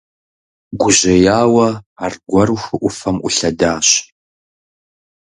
Гужьеяуэ, аргуэру хы Ӏуфэм Ӏулъэдащ.